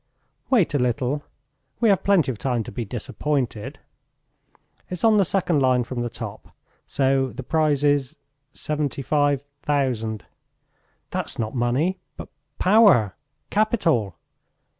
"Wait a little. We have plenty of time to be disappointed. It's on the second line from the top, so the prize is seventy five thousand. That's not money, but power, capital!